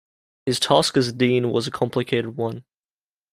His task as dean was a complicated one.